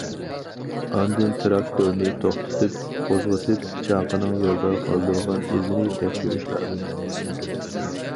ئاندىن تىراكتورنى توختىتىپ، قوزغىتىپ، چاقىنىڭ يولدا قالدۇرغان ئىزىنى تەكشۈرۈش لازىم.